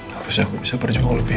harusnya aku bisa berjuang lebih